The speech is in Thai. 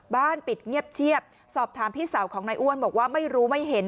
บ้านปิดเงียบเชียบสอบถามพี่สาวของนายอ้วนบอกว่าไม่รู้ไม่เห็น